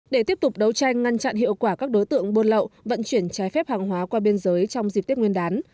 để tiếp tục đấu tranh ngăn chặn hiệu quả các đối tượng buôn lậu vận chuyển trái phép hàng hóa qua biên giới trong dịp tết nguyên đán